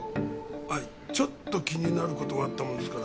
はいちょっと気になる事があったものですから。